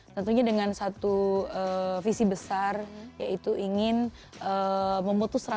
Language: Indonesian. tentunya dengan satu visi besar yaitu ingin memutus rapi